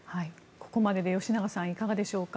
ここまでで吉永さん、いかがでしょうか。